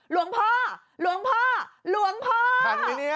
ลวงพ่อลวงพ่อลวงพ่อหันมั้ยเนี่ย